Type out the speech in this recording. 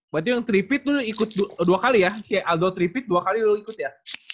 berarti yang tiga pit lu ikut dua x ya si aldo tiga pit dua x lu ikut ya